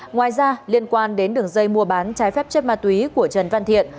ngoài ra liên quan đến đường dây mua bán trái phép chất ma túy của trần văn thiện